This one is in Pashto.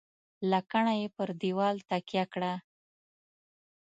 . لکڼه یې پر دېوال تکیه کړه .